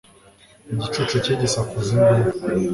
Igicucu cye gisakuza induru